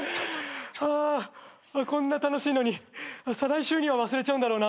あこんな楽しいのに再来週には忘れちゃうんだろうな。